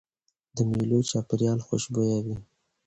د مېلو چاپېریال خوشبويه وي.